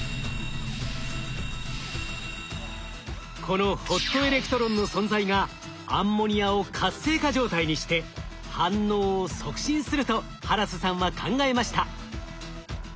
このホットエレクトロンの存在がアンモニアを活性化状態にして反応を促進するとハラスさんは考えました。